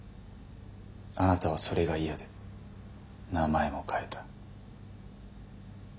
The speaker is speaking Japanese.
あなたはそれが嫌で名前も変えた。